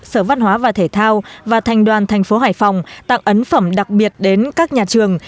sở văn hóa và thể thao và thành đoàn thành phố hải phòng tặng ấn phẩm đặc biệt đến các nhà trường